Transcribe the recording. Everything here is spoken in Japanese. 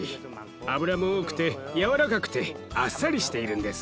脂も多くて軟らかくてあっさりしているんです。